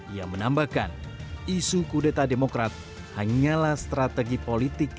ia menambahkan isu kudeta demokrat hanyalah strategi politik